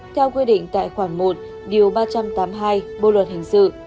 theo quy định tại khoản một điều ba trăm tám mươi hai bộ luật hình sự